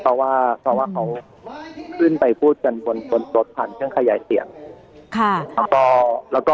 เพราะว่าเพราะว่าเขาขึ้นไปพูดกันบนรถผ่านเครื่องขยายเสียง